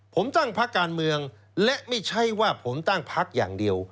ผมตั้งพักการเมืองและไม่ใช่ว่าผมตั้งพักอย่างเดียว